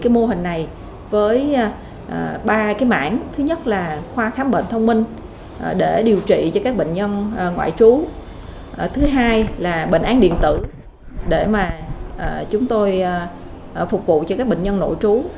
mạng thứ hai là bệnh án điện tử để mà chúng tôi phục vụ cho các bệnh nhân nội trú